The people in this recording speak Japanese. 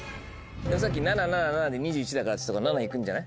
さっき７７７で２１だから７行くんじゃない？